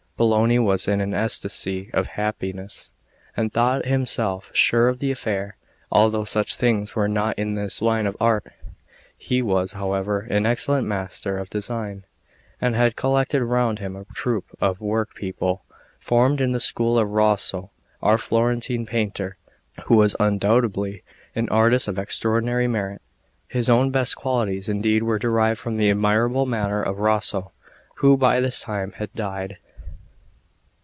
Bologna was in an ecstasy of happiness, and thought himself sure of the affair, although such things were not in his line of art. He was, however, an excellent master of design, and had collected round him a troop of work people formed in the school of Rosso, our Florentine painter, who was undoubtedly an artist of extraordinary merit; his own best qualities indeed were derived from the admirable manner of Rosso, who by this time had died.